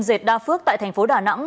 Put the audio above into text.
dệt đa phước tại thành phố đà nẵng